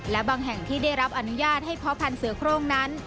และบางแห่งที่ได้รับอนุญาตให้เพาะพันธ์เสือโครงนั้น